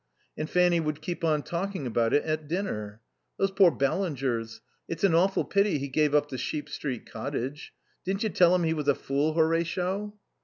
And Fanny would keep on talking about it at dinner. "Those poor Ballingers! It's an awful pity he gave up the Sheep Street cottage. Didn't you tell him he was a fool, Horatio?"